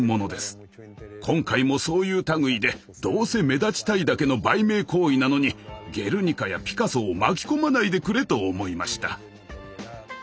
今回もそういう類いでどうせ目立ちたいだけの売名行為なのに「ゲルニカ」やピカソを巻き込まないでくれと思いました。